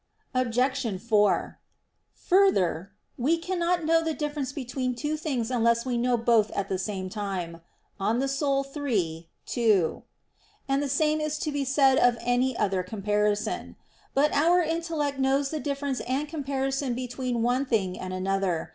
Obj. 4: Further, we cannot know the difference between two things unless we know both at the same time (De Anima iii, 2), and the same is to be said of any other comparison. But our intellect knows the difference and comparison between one thing and another.